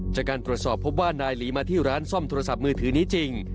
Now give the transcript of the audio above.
จากการตรวจสอบพบว่านายหลีมาที่ร้านซ่อมโทรศัพท์มือถือนี้จริง